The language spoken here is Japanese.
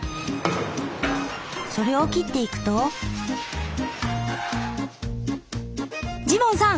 それを切っていくとジモンさん！